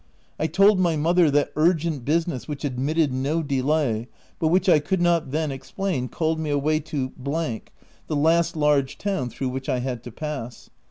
I told my mother that urgent business which admitted no delay, but which I could not then explain, called me away to (the last large town through which I had to pass.)